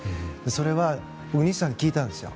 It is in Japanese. それは僕、西さんに聞いたんですよ。